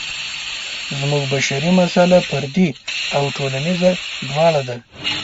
زموږ بشري مساله فردي او ټولنیزه دواړه ده.